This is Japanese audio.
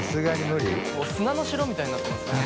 もう砂の城みたいになってますね。